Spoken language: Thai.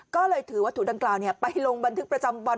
ก็เลยถือวัตถุดังกล่าวไปลงบันทึกประจำวัน